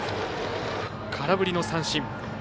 空振り三振。